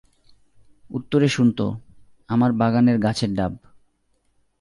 উত্তরে শুনত, আমার বাগানের গাছের ডাব।